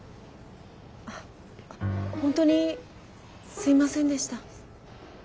あ本当にすいませんでした。